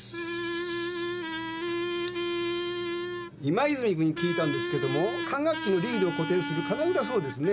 今泉君に聞いたんですけども管楽器のリードを固定する金具だそうですね。